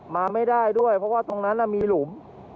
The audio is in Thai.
มาไม่ได้ด้วยเพราะว่าตรงนั้นมีหลุม